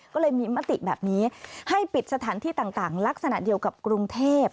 ก็เลยมีมติแบบนี้ให้ปิดสถานที่ต่างลักษณะเดียวกับกรุงเทพ